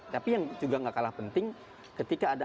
tapi yang juga gak kalah penting ketika ada